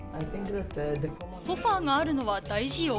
ソファがあるのは大事よ。